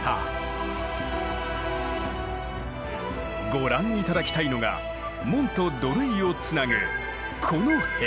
ご覧頂きたいのが門と土塁をつなぐこの塀。